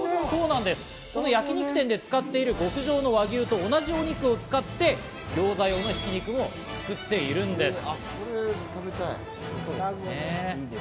この焼肉店で使っている極上の和牛と同じお肉を使ってギョーザ用のひき肉も作っているんです。